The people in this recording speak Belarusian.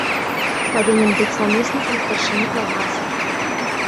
Павінен быць намеснікам старшыні калгаса.